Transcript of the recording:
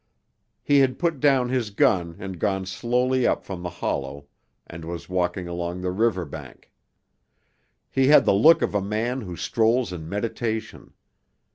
He had put down his gun and gone slowly up from the hollow and was walking along the river bank. He had the look of a man who strolls in meditation.